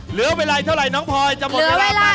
เหลือเวลาเท่าไรน้องพลจะหมดเวลาปั้นแล้ว